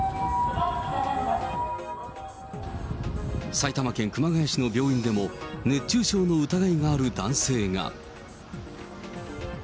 埼玉県熊谷市の病院でも、熱中症の疑いがある男性が。